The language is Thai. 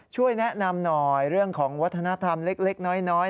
ช่วยแนะนำหน่อยเรื่องของวัฒนธรรมเล็กน้อย